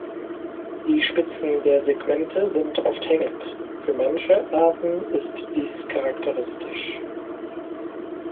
Die Spitzen der Segmente sind oft hängend, für manche Arten ist dies charakteristisch.